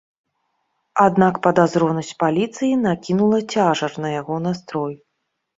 Аднак падазронасць паліцыі накінула цяжар на яго настрой.